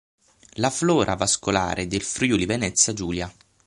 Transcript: La flora vascolare del Friuli Venezia Giulia.